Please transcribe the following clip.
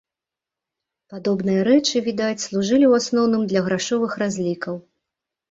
Падобныя рэчы, відаць, служылі ў асноўным для грашовых разлікаў.